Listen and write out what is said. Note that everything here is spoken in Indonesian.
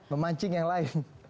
memancing yang lain